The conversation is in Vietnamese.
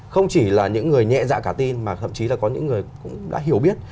không chỉ là những người nhẹ dạ cả tin mà thậm chí là có những người cũng đã hiểu biết